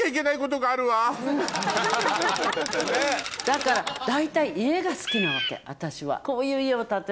だから大体家が好きなわけ私は。